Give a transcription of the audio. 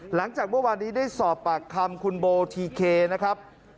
หลังจากเมื่อวานนี้ได้สอบปากคำคุณโบทีเคนะครับ